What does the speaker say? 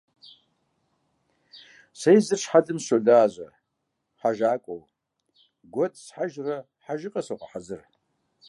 Сэ езыр щхьэлым сыщолажьэ хьэжакӏуэу, гуэдз схьэжурэ хэжыгъэ согъэхьэзыр.